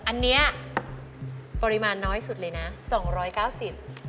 อันเนี่ยปริมาณน้อยสุดเลยนะ๒๙๐บาท